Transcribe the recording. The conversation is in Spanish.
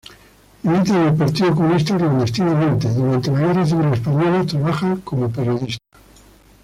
Milita en el Partido Comunista clandestinamente; durante la Guerra Civil Española trabaja como periodista.